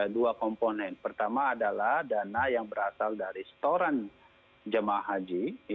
dua komponen pertama adalah dana yang berasal dari setoran jemaah haji